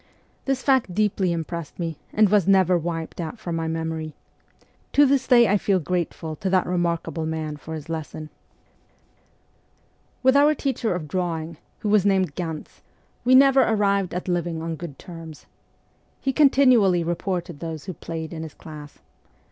This fact deeply impressed me, and was never wiped out from my memory. To this day I feel grateful to that remarkable man for his lesson. 106 MEMOIRS OF A REVOLUTIONIST With our teacher of drawing, who was named Ganz, we never arrived at living on good terms. He con tinually reported those who played in his class.